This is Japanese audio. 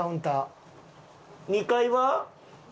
２階は？